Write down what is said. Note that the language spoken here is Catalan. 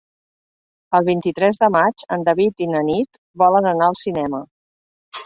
El vint-i-tres de maig en David i na Nit volen anar al cinema.